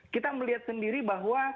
kita melihat sendiri bahwa